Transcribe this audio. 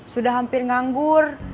sudah hampir nganggur